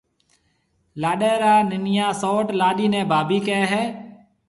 لاڏيَ را ننَيان سئوٽ لاڏيِ نَي ڀاڀِي ڪهيَ هيَ۔